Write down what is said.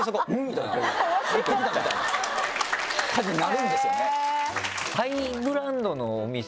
みたいな入ってきたみたいな感じになるんですよね。